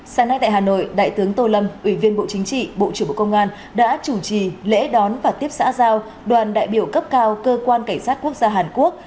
sáng nay tại hà nội đại tướng tô lâm ủy viên bộ chính trị bộ trưởng bộ công an đã chủ trì lễ đón và tiếp xã giao đoàn đại biểu cấp cao cơ quan cảnh sát quốc gia hàn quốc